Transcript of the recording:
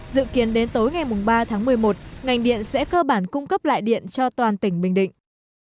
dự kiến đến tối ngày ba tháng một mươi một ngành điện sẽ cơ bản cung cấp lại điện cho toàn tỉnh bình định